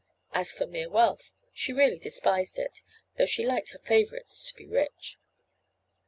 As for mere wealth, she really despised it, though she liked her favourites to be rich.